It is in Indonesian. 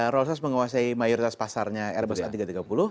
rolsos menguasai mayoritas pasarnya airbus a tiga ratus tiga puluh